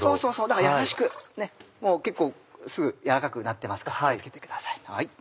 だから優しくもう結構すぐ軟らかくなってますから気を付けてください。